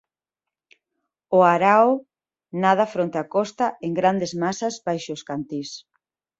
O arao nada fronte a costa en grandes masas baixo os cantís.